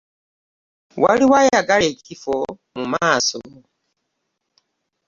Waliwo ayagala ekifo mu maaso?